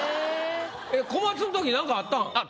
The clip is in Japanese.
小松のとき何かあったん？